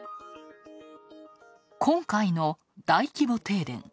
今回の大規模停電。